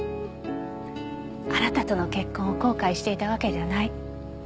あなたとの結婚を後悔していたわけじゃない。